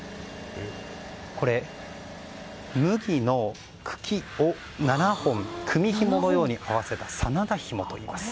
これ、麦の茎を７本組みひものように合わせた真田ひもといいます。